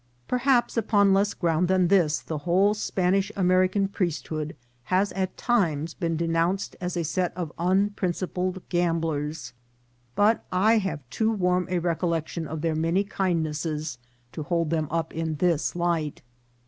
Perhaps upon less ground than this the whole Span ish American priesthood has at times been denounced as a set of unprincipled gamblers, but I have too warm a recollection of their many kindnesses to hold them up in this light.